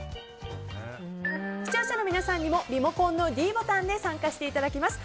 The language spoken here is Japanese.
視聴者の皆さんにもリモコンのｄボタンで参加していただきます。